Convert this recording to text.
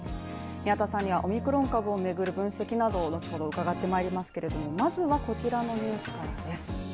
宮田さんにはオミクロン株をめぐる分析などを後ほど伺ってまいりますけれどもまずはこちらのニュースからです。